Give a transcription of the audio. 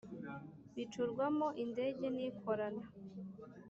Bicurwamo indege nikorana